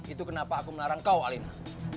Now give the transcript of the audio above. itu kenapa aku melarang kau alina